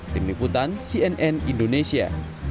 tim liputan cnn indonesia